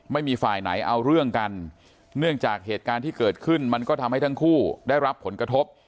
ไม่มีฝ่ายไหนเอาเรื่องกันเนื่องจากเหตุการณ์ที่เกิดขึ้นมันก็ทำให้ทั้งคู่ได้รับผลกระทบ